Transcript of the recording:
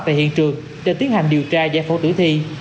tại hiện trường để tiến hành điều tra giải phẫu tử thi